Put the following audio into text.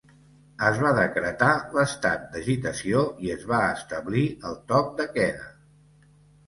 Es va decretar l'estat d'agitació i es va establir el toc de queda.